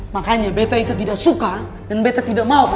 makanya bete itu tidak suka dan bete tidak mau